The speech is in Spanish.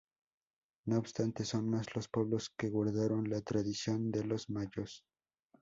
No obstante, son más los pueblos que guardaron la tradición de los mayos.